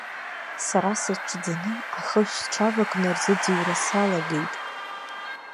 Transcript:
Сара сыҽӡаны, ахышә сҽавакны рзыӡырҩра салагеит.